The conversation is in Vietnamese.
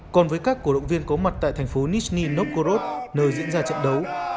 còn với các cổ động viên có mặt tại thành phố nizhny novgorod nơi diễn ra trận đấu